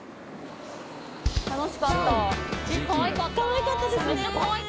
楽しかった。